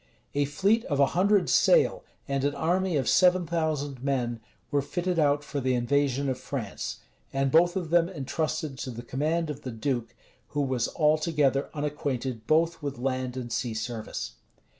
A fleet of a hundred sail, and an army of seven thousand men, were fitted out for the invasion of France, and both of them intrusted to the command of the duke, who was altogether unacquainted both with land and sea service.